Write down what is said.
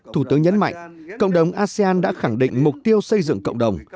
thủ tướng nhấn mạnh cộng đồng asean đã khẳng định mục tiêu xây dựng cộng đồng